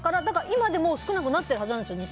今でも少なくなってるはずなんですよ